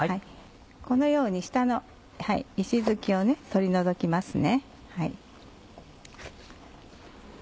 このように下の石づきを取り除きますね。